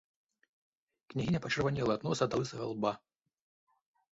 Княгіня пачырванела ад носа да лысага лба.